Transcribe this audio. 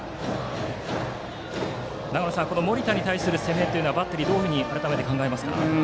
長野さん、森田に対する攻めというのはバッテリーはどういうふうに改めて考えますか。